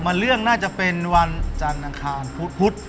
เรื่องน่าจะเป็นวันจันทร์อังคารพุธ